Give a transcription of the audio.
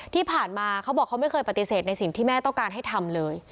ที่ผ่านมาเขาบอกเขาไม่เคยปฏิเสธในสิ่งที่แม่ต้องการให้ทำเลย